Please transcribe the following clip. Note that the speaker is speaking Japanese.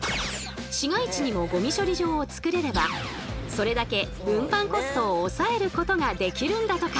市街地にもゴミ処理場をつくれればそれだけ運搬コストを抑えることができるんだとか！